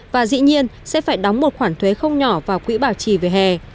và dĩ nhiên sẽ phải đóng một khoản thuế không nhỏ vào quỹ bảo trì về hè